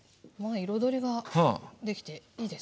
彩りができていいですね。